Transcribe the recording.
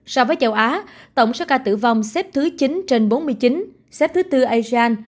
so với châu á tổng số ca tử vong xếp thứ chín trên bốn mươi chín xếp thứ tư asean